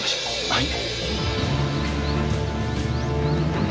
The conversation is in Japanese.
はい。